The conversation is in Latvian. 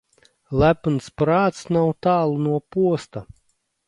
Lepns prāts nav tālu no posta.